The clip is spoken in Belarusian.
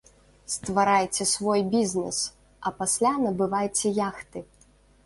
Стварайце свой бізнэс, а пасля набывайце яхты!